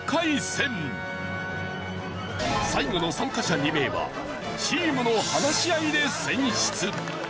最後の参加者２名はチームの話し合いで選出。